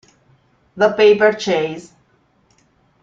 The Paper Chase